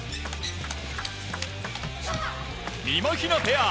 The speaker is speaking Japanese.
みまひなペア！